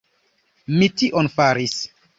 Mi tion faris!